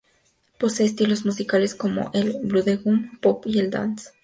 Posee estilos musicales como el bubblegum pop y el dance.